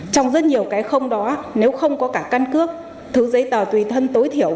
trong rất nhiều cái không đó nếu không có cả căn cước thứ giấy tờ tùy thân tối thiểu